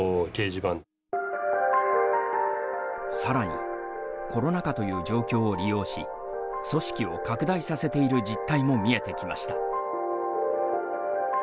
さらに、コロナ禍という状況を利用し組織を拡大させている実態も見えてきました。